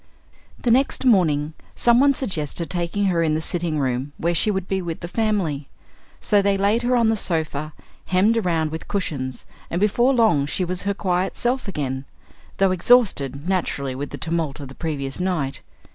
The next morning some one suggested taking her in the sitting room where she would be with the family. So they laid her on the sofa, hemmed around with cushions, and before long she was her quiet self again, though exhausted, naturally, with the tumult of the previous night.